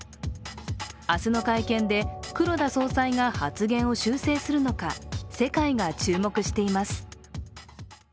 明日の会見で黒田総裁が発言を修正するのか、世界が注目しています。